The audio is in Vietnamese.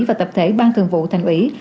và tập thể ban thường vụ thành ủy